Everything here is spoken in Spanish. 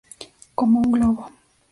Como un globo.